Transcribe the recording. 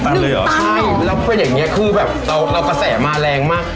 ใช่แล้วเป็นอย่างนี้คือแบบเรากระแสมาแรงมาก